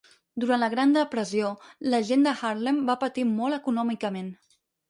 Durant la Gran Depressió, la gent de Harlem va patir molt econòmicament.